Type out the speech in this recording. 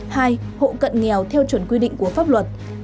hai hộ cận nghèo